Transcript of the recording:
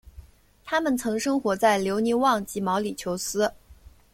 它们曾生活在留尼旺及毛里裘斯。